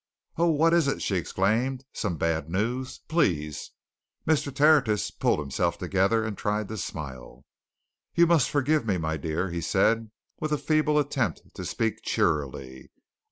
"Oh, what is it!" she exclaimed. "Some bad news? Please " Mr. Tertius pulled himself together and tried to smile. "You must forgive me, my dear," he said, with a feeble attempt to speak cheerily.